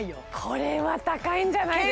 これは高いんじゃないですか？